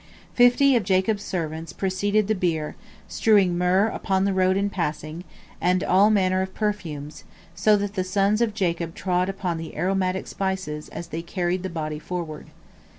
Fifty of Jacob's servants preceded the bier, strewing myrrh upon the road in passing, and all manner of perfumes, so that the sons of Jacob trod upon the aromatic spices as they carried the body forward.